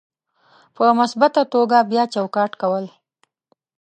په مثبته توګه بیا چوکاټ کول: